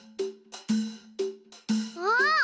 あっ！